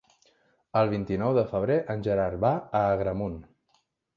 El vint-i-nou de febrer en Gerard va a Agramunt.